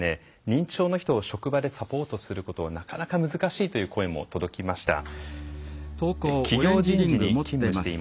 認知症の人を職場でサポートすることはなかなか難しいという声も届きました。